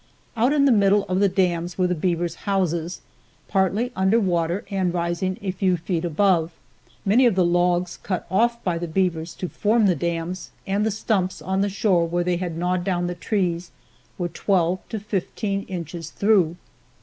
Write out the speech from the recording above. Out in the middle of the dams were the beavers' houses, partly under water and rising a few feet above. Many of the logs, cut off by the beavers to form the dams, and the stumps on the shore where they had gnawed down the trees, were twelve to fifteen inches through.